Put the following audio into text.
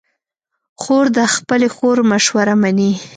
خور د خپلې خور مشوره منې.